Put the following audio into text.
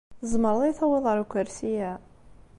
Tzemreḍ ad iyi-tawiḍ ar ukersi-a?